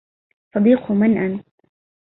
صديق من أنت؟